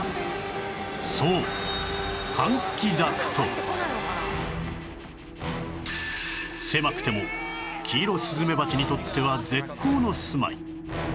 そう狭くてもキイロスズメバチにとっては絶好の住まい